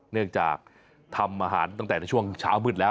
เนื่องจากทำอาหารตั้งแต่ในช่วงเช้ามืดแล้ว